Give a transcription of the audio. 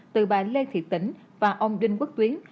từ bà lê thị tỉnh và ông đinh quốc tuyến